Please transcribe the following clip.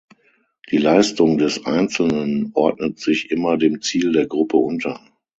Die Leistung des Einzelnen ordnet sich immer dem Ziel der Gruppe unter.